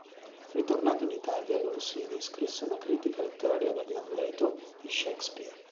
Ritornato in Italia l’Orsini, scrisse un una critica letteraria dell"'Amleto" di Shakespeare..